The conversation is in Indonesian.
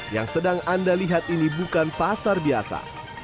yang sedang anda lihat ini bukan pasar biasa